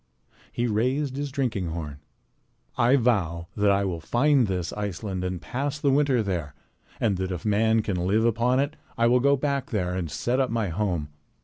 He raised his drinking horn. "I vow that I will find this Iceland and pass the winter there, and that if man can live upon it I will go back there and set up my home."